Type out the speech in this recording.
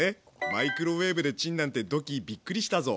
マイクロウエーブでチンなんてドッキーびっくりしたぞ。